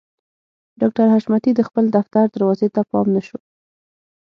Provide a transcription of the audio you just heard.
ډاکټر حشمتي د خپل دفتر دروازې ته پام نه شو